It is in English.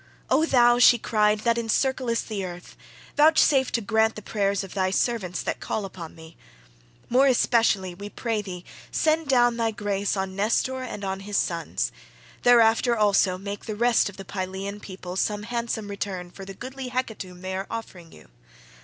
"O thou," she cried, "that encirclest the earth, vouchsafe to grant the prayers of thy servants that call upon thee. More especially we pray thee send down thy grace on Nestor and on his sons; thereafter also make the rest of the Pylian people some handsome return for the goodly hecatomb they are offering you.